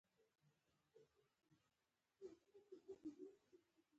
ځینې درمل د سترګو فشار تنظیموي.